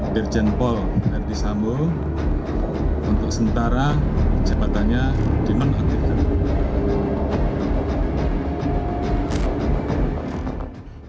dirjen pol erdi samu untuk sentara cepatannya dimenangkirkan